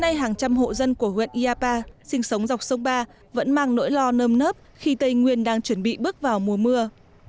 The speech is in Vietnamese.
yapa sinh sống dọc sông ba vẫn mang nỗi lo nâm nớp khi tây nguyên đang chuẩn bị bước vào mùa mưa